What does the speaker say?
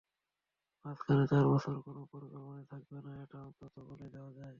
মাঝখানে চার বছর কোনো পরিকল্পনাই থাকবে না, এটা অন্তত বলেই দেওয়া যায়।